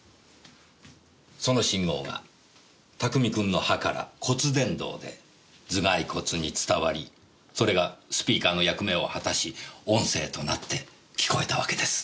その信号が拓海君の歯から骨伝導で頭蓋骨に伝わりそれがスピーカーの役目を果たし音声となって聞こえたわけです。